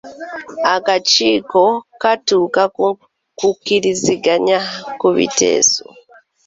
Akakiiko katuuka ku kukkiriziganya ku biteeso.